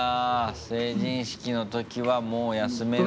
成人式の時はもう休めない。